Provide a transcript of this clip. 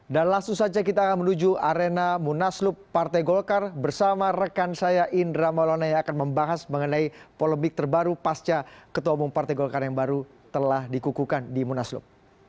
dan langsung saja kita akan menuju arena munaslup partai golkar bersama rekan saya indra maulana yang akan membahas mengenai polemik terbaru pasca ketua umum partai golkar yang baru telah dikukukan di munaslup